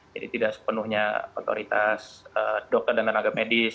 jadi tidak sepenuhnya otoritas dokter dan tenaga medis